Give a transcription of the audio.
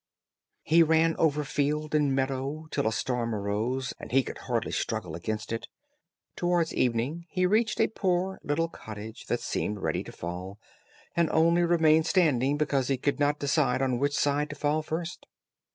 He ran over field and meadow till a storm arose, and he could hardly struggle against it. Towards evening, he reached a poor little cottage that seemed ready to fall, and only remained standing because it could not decide on which side to fall first.